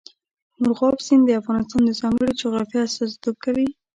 مورغاب سیند د افغانستان د ځانګړي جغرافیه استازیتوب کوي.